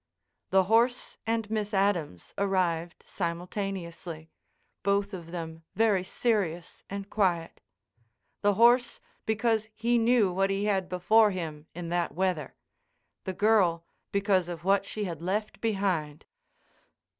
The horse and Miss Adams arrived simultaneously, both of them very serious and quiet. The horse because he knew what he had before him in that weather; the girl because of what she had left behind.